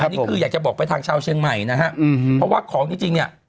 อันนี้คืออยากจะบอกไปทางชาวเชียงใหม่นะฮะอืมเพราะว่าของจริงจริงเนี่ย